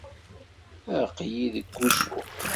Aql-i deg wusu.